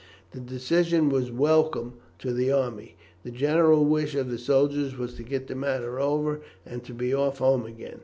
The decision was welcome to the army. The general wish of the soldiers was to get the matter over, and to be off home again.